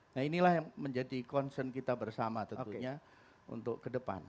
nah inilah yang menjadi concern kita bersama tentunya untuk ke depan